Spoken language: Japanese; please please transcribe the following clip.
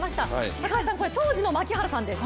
高橋さん、これ当時の槙原さんです。